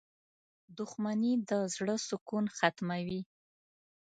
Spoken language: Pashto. • دښمني د زړۀ سکون ختموي.